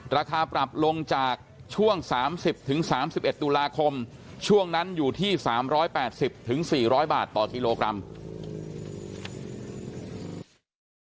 ราคาปรับลงจากช่วง๓๐๓๑ตุลาคมช่วงนั้นอยู่ที่๓๘๐๔๐๐บาทต่อกิโลกรัม